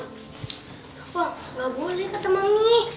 rafa gak boleh kata mami